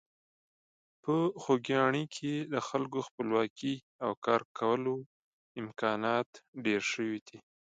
په خوږیاڼي کې د خلکو خپلواکي او کارکولو امکانات ډېر شوي دي.